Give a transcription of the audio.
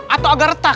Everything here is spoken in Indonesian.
atau agak retak pak